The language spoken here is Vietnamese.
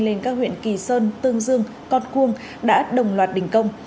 lên các huyện kỳ sơn tương dương con cuông đã đồng loạt đình công